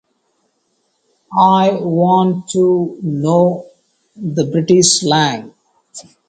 In pursuit of silverware numerous players were signed over next two years.